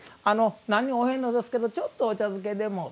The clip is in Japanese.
何もおへんのですけどちょっとお茶漬けでも。